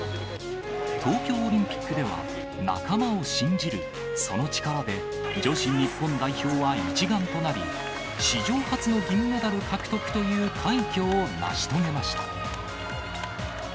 東京オリンピックでは、仲間を信じる、その力で女子日本代表は一丸となり、史上初の銀メダル獲得という快挙を成し遂げました。